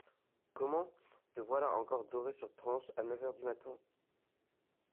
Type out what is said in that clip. Comment, te voilà encore doré sur tranches à neuf heures du matin ?